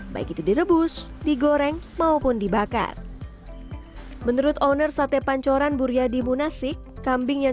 baik itu direbus digoreng maupun dibakar menurut owner sate pancoran buryadi munasik kambing yang